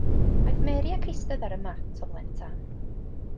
Aeth Mary ac eistedd ar y mat o flaen y tân.